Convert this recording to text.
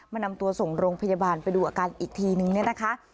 นำตัวส่งโรงพยาบาลไปดูอาการอีกทีนึงเนี่ยนะคะ